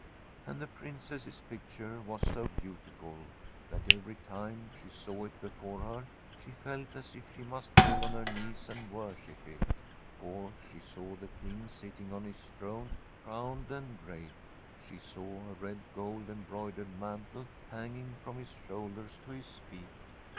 And the Princess's picture was so beautiful that every time she saw it before her she felt as if she must fall on her knees and worship it. For she saw the King sitting on his throne, crowned and great; she saw a red, gold embroidered mantle hanging from his shoulders to his feet.